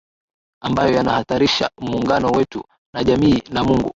ambayo yanahatarisha muungano wetu na jamii na Mungu